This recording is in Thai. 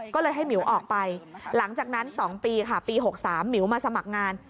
ก็เลยให้หมิวออกไปหลังจากนั้น๒ปีค่ะปี๖๓หมิวมาสมัครงาน